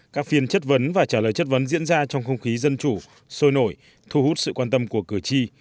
các phiên chất vấn và trả lời chất vấn diễn ra trong không khí dân chủ sôi nổi thu hút sự quan tâm của cử tri